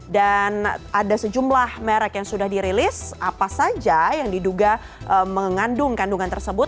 dan ada sejumlah merek yang sudah dirilis apa saja yang diduga mengandung kandungan tersebut